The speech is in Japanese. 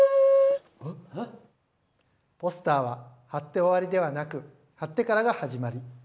ポスターは貼って終わりではなく貼ってからが始まり。